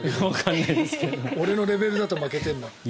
俺のレベルだけ負けてるの？